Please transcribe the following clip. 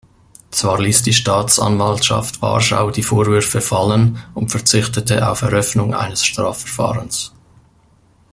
Zwar ließ die Staatsanwaltschaft Warschau die Vorwürfe fallen und verzichtete auf Eröffnung eines Strafverfahrens.